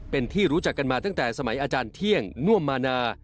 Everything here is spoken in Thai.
เป็นที่รู้จักกันมาตั้งแต่สมัยอาจารย์เที่ยงน่วมมานา